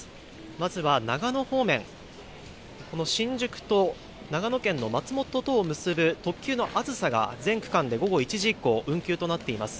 まずは長野方面、この新宿と長野県の松本とを結ぶ特急のあずさが全区間で午後１時以降、運休となっています。